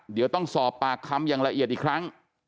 เดี๋ยวต้องสอบปากคำอย่างละเอียดอีกครั้ง